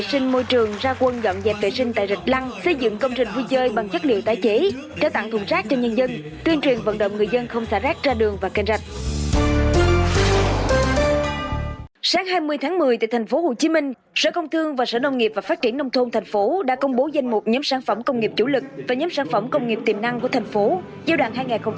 sáng hai mươi tháng một mươi tại thành phố hồ chí minh sở công thương và sở nông nghiệp và phát triển nông thôn thành phố đã công bố danh mục nhóm sản phẩm công nghiệp chủ lực và nhóm sản phẩm công nghiệp tiềm năng của thành phố giao đoàn hai nghìn một mươi tám hai nghìn hai mươi